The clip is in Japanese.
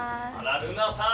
ルナさん。